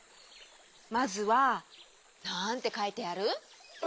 まずはなんてかいてある？